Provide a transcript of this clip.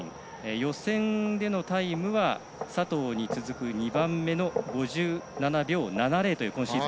予選でのタイムは佐藤に続く２番目の５７秒７０という今シーズン